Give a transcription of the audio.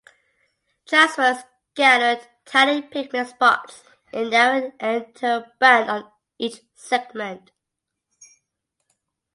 Transverse scattered tiny pigment spots in narrow anterior band on each segment.